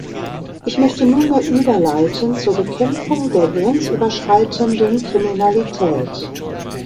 Ich möchte nunmehr überleiten zur Bekämpfung der grenzüberschreitenden Kriminalität.